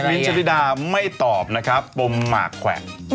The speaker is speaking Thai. มิ้นจริดาไม่ตอบนะครับปมหมากแขวน